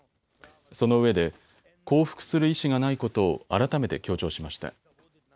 そのうえで降伏する意思がないことを改めて強調しました。